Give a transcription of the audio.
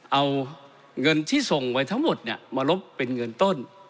เอาเงินที่ส่งไว้ทั้งหมดมาลบเป็นเงินต้น